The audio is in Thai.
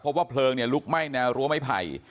เพราะว่าเพลิงเนี่ยลุกไหม้รั้วไม่ไผ่